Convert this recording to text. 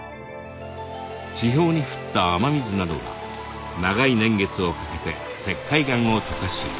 地表に降った雨水などが長い年月をかけて石灰岩をとかし空洞に。